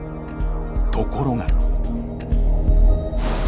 ところが。